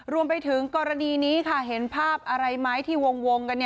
รวมไปถึงกรณีนี้ค่ะเห็นภาพอะไรไหมที่วงกัน